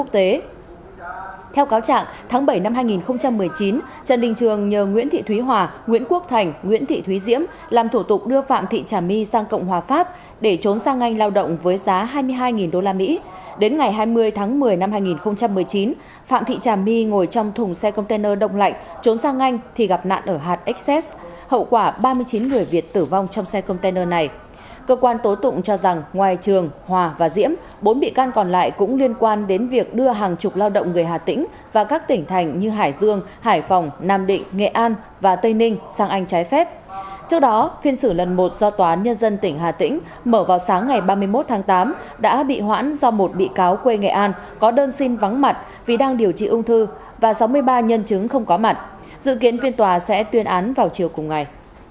trước đó phiên xử lần một do tòa nhân dân tỉnh hà tĩnh mở vào sáng ngày ba mươi một tháng tám đã bị hoãn do một bị cáo quê nghệ an có đơn xin vắng mặt vì đang điều trị ung thư và sáu mươi ba nhân chứng không có mặt dự kiến phiên tòa sẽ tuyên án vào chiều cùng ngày